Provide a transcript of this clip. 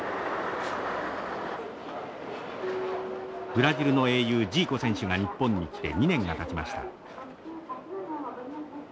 ブラジルの英雄ジーコ選手が日本に来て２年がたちました。